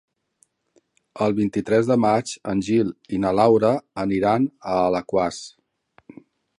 El vint-i-tres de maig en Gil i na Laura aniran a Alaquàs.